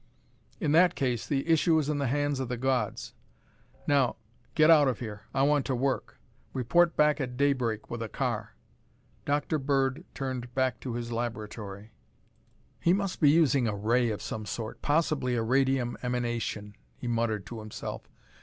"In that case, the issue is in the hands of the gods. Now get out of here. I want to work. Report back at daybreak with a car." Dr. Bird turned back to his laboratory. "He must be using a ray of some sort, possibly a radium emanation," he muttered to himself.